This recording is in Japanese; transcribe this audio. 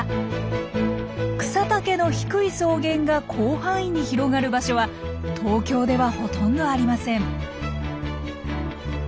草丈の低い草原が広範囲に広がる場所は東京ではほとんどありません。